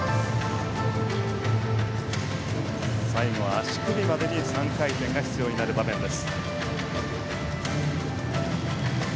最後は足首までに３回転が必要になる場面です。